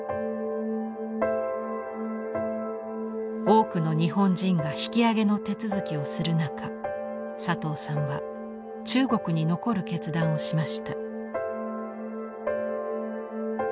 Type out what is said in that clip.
多くの日本人が引き揚げの手続きをする中佐藤さんは中国に残る決断をしました。